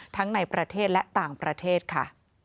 ทั้งในประเทศและต่างประเทศค่ะ